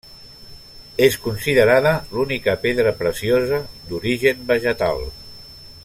És considerada l'única pedra preciosa d'origen vegetal.